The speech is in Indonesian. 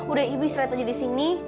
udah ibu istirahat aja disini